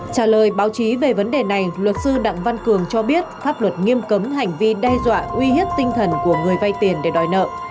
trả lời báo chí về vấn đề này luật sư đặng văn cường cho biết pháp luật nghiêm cấm hành vi đe dọa uy hiếp tinh thần của người vay tiền để đòi nợ